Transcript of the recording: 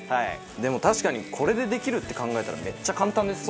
でも確かにこれでできるって考えたらめっちゃ簡単ですね。